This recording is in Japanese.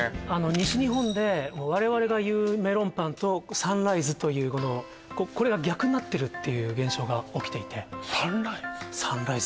西日本で我々が言うメロンパンとサンライズというこれが逆になってるっていう現象が起きていてサンライズ？